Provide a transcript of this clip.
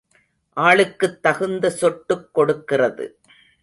ஆளுக்குத் தகுந்த சொட்டுக் கொடுக்கிறது.